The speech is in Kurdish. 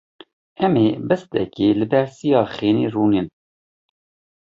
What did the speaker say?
Em ê bîstekê li ber siya xênî rûnin.